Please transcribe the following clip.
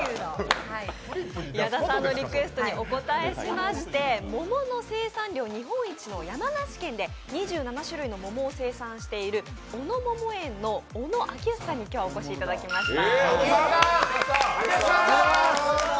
矢田さんのリクエストにお応えいたしまして、桃の生産量日本一の山梨県で２７種類の桃を生産している小野桃園の小野晃良さんに今日はお越しいただきました。